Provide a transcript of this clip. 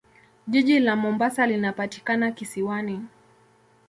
Jiji la Mombasa linapatikana kisiwani.